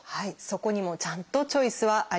そこにもちゃんとチョイスはあります。